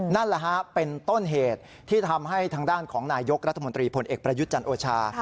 นั่นเป็นต้นเหตุที่ทำให้ทางด้านของนายกรัฐมนตรีผลเอกประยุจรรย์โอชา